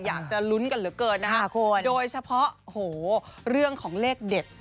อยากจะลุ้นกันเหลือเกินนะคะโดยเฉพาะโอ้โหเรื่องของเลขเด็ด